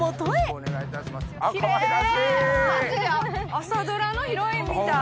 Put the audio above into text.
朝ドラのヒロインみたい！